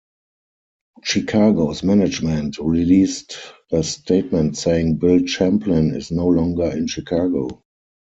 Chicago's management released a statement saying Bill Champlin is no longer in Chicago.